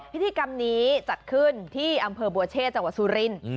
พิธีกรรมนี้จัดขึ้นที่อำเภอบัวเชษจังหวัดสุรินทร์